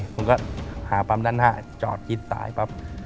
ผมก็หาปั๊มด้านหน้าจอดคิดซ้ายปั๊บ